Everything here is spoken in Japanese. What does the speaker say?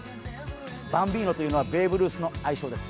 バンビーノというのは、ベーブ・ルースの愛称です。